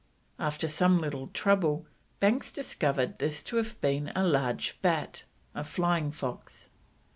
After some little trouble Banks discovered this to have been a large bat (flying fox).